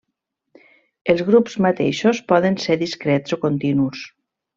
Els grups mateixos poden ser discrets o continus.